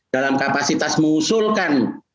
dalam kapasitas mengusulkan